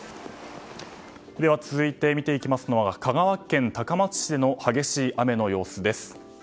では続いて見ていきますのは香川県高松市の激しい雨の様子です。